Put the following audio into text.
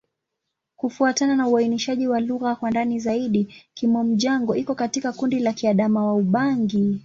Kufuatana na uainishaji wa lugha kwa ndani zaidi, Kimom-Jango iko katika kundi la Kiadamawa-Ubangi.